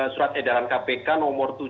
surat edaran kpk nomor tujuh